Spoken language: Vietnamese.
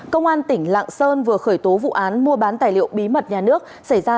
công an tỉnh lạng sơn vừa khởi tố vụ án mua bán tài liệu bí mật nhà nước xảy ra